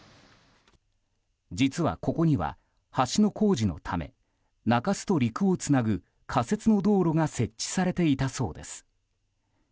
実は、ここには橋の工事のため中洲と陸をつなぐ仮設の道路が設置されていたそうです。